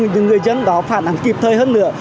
những người dân đó phản ánh kịp thời hơn nữa